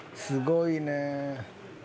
すごいねえ。